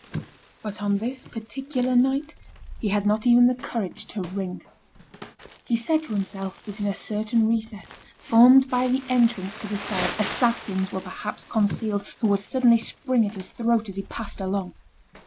But on this particular night he had not even the courage to ring. He said to himself that in a certain recess, formed by the entrance to the cellar, assassins were perhaps concealed, who would suddenly spring at his throat as he passed along.